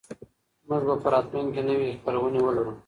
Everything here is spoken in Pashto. موږ به په راتلونکي کې نوې خپرونې ولرو.